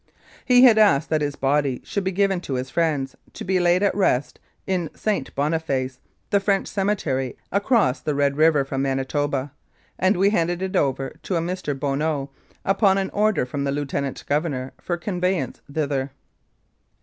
He had asked that his body should be given to his friends, to be laid at rest in St. Boniface, the French cemetery across the Red River from Winnipeg, and we handed it over to a Mr. Bonneau, upon an order from the Lieutenant Governor, for conveyance thither.